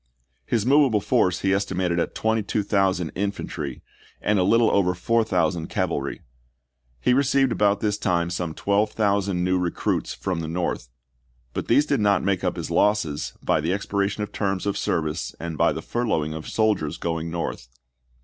His movable force he estimated St?" Part I. at 22,000 infantry, and a little over 4000 cavalry, p. 369." He received about this time some 12,000 new recruits from the North ; but these did not make up his losses by the expiration of terms of service and by the furloughing of soldiers going North.